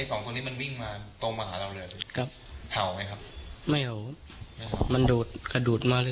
ไอ้๒คนนี้มันวิ่งมาตรงหาเราเลยครับไม่ห่วงมันดูดกระดูดมาเลย